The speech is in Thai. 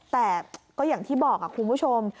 แต่ก็อย่างที่บอกคุณผู้ชม